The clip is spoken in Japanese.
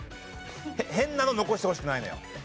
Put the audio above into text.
変なの残してほしくないのよ。